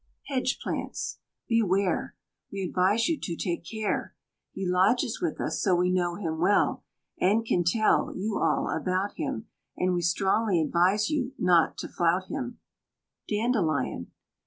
HEDGE PLANTS. "Beware! We advise you to take care. He lodges with us, so we know him well, And can tell You all about him, And we strongly advise you not to flout him." DANDELION.